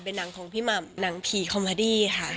เป็นหนังของพี่หม่ำหนังผีคอมเมอดี้ค่ะ